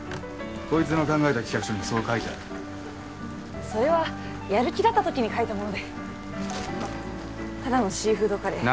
こいつの考えた企画書にそう書いてあるそれはやる気だったときに書いたものでまっただのシーフードカレー